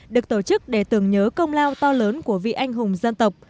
được tổ chức để tưởng nhớ công lao to lớn của vị anh hùng dân tộc